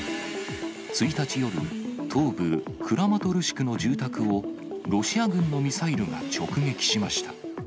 １日夜、東部クラマトルシクの住宅を、ロシア軍のミサイルが直撃しました。